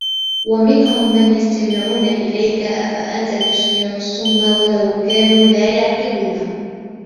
وَمِنْهُمْ مَنْ يَسْتَمِعُونَ إِلَيْكَ أَفَأَنْتَ تُسْمِعُ الصُّمَّ وَلَوْ كَانُوا لَا يَعْقِلُونَ